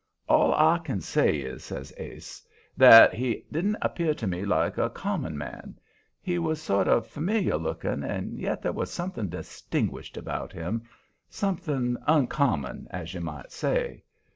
"All I can say is," says Ase, "that he didn't appear to me like a common man. He was sort of familiar looking, and yet there was something distinguished about him, something uncommon, as you might say.